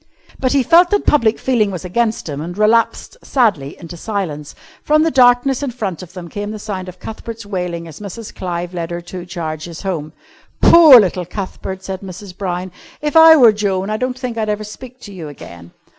But he felt that public feeling was against him, and relapsed sadly into silence. From the darkness in front of them came the sound of Cuthbert's wailing as Mrs. Clive led her two charges home. "Poor little Cuthbert!" said Mrs. Brown. "If I were Joan, I don't think I'd ever speak to you again."